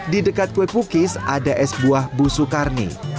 di dekat kue kukis ada es buah busu karni